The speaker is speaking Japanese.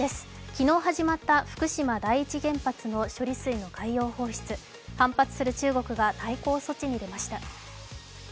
昨日始まった福島第一原発の処理水の海洋放出反発する中国が対抗措置に出ました。